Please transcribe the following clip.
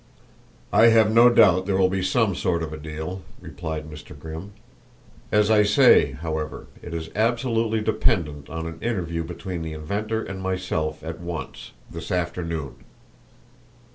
"I have no doubt there will be some sort of a deal," replied Mr. Grimm. "As I say, however, it is absolutely dependent on an interview between the inventor and myself at once this afternoon."